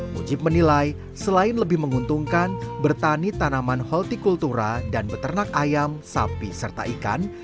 mujib menilai selain lebih menguntungkan bertani tanaman holti kultura dan beternak ayam sapi serta ikan